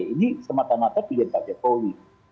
ini semata mata pilihan pak jokowi